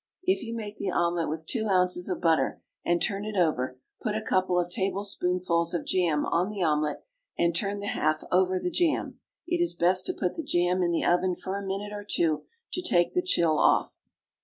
If you make the omelet with two ounces of butter, and turn it over, put a couple of tablespoonfuls of jam on the omelet, and turn the half over the jam. It is best to put the jam in the oven for a minute or two to take the chill off.